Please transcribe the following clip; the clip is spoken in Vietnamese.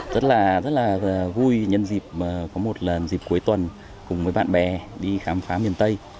rất là vui nhân dịp có một lần dịp cuối tuần cùng với bạn bè đi khám phá miền tây